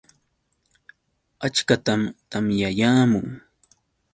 Achkatam tamyayaamun.